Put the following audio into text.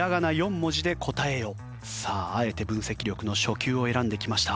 さああえて分析力の初級を選んできました。